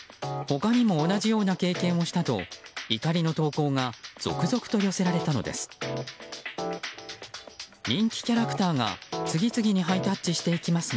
他にも同じような経験をしたと怒りの投稿が続々と寄せられたのです。